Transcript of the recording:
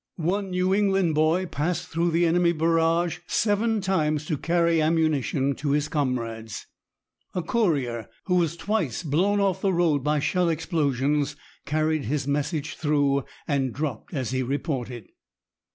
One New England boy passed through the enemy barrage seven times to carry ammunition to his comrades. A courier who was twice blown off the road by shell explosions carried his message through and dropped as he reported.